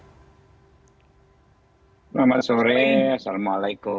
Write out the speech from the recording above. selamat sore assalamualaikum